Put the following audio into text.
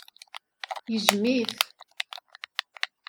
Yejjem-it.